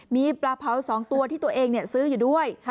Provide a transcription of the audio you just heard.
มีปลาเผาสองตัวที่ตัวเองเนี่ยซื้ออยู่ด้วยค่ะ